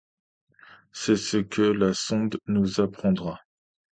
C’est ce que la sonde nous apprendra.